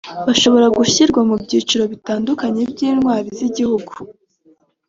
bashobora gushyirwa mu byiciro bitandukanye by’intwari z’igihugu